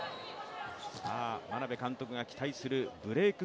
眞鍋監督が期待するブレイク